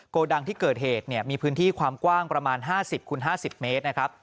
โกดังที่เกิดเหตุมีพื้นที่ความกว้าง๕๐คูณ๕๐เมตร